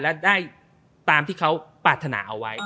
และได้ตามที่เขาปรารถนาเอาไว้